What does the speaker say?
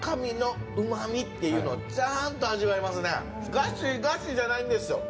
ガシガシじゃないんですよ。